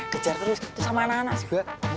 kejar terus sama anak anak juga